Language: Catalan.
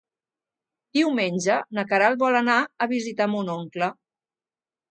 Diumenge na Queralt vol anar a visitar mon oncle.